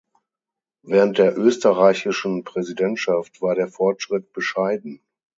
Während der österreichischen Präsidentschaft war der Fortschritt bescheiden.